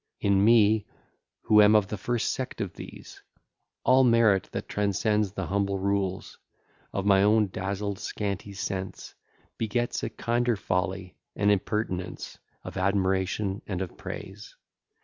In me, who am of the first sect of these, All merit, that transcends the humble rules Of my own dazzled scanty sense, Begets a kinder folly and impertinence Of admiration and of praise.